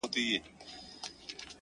تاته پرده کي راځم تا نه بې پردې وځم”